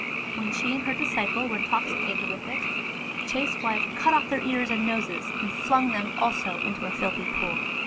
When she and her disciple were intoxicated with it, that chaste wife cut off their ears and noses, and flung them also into a filthy pool.